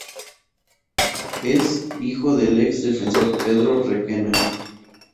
Es hijo del ex defensor Pedro Requena.